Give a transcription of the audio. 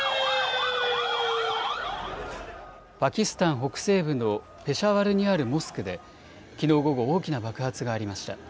パキスタン北西部のペシャワルにあるモスクできのう午後、大きな爆発がありました。